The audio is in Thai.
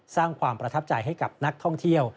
สร้างความประทับใจให้กับนักท่องเที่ยว